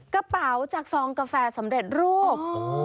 กระเป๋าจากซองกาแฟสำเร็จรูป